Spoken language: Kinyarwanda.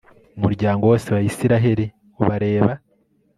umuryango wose wa israheli ubareba